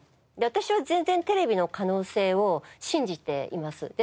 私は全然テレビの可能性を信じています。